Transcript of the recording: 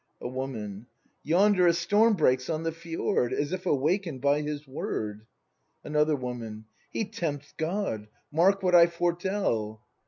A Woman. Yonder a storm breaks on the fjord. As if awaken'd by his word! Another Woman. He tempts God! Mark what I foretell!